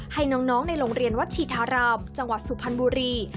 ให้น้องในโรงเรียนวัดชีธารามจังหวัดสุพรรณบุรี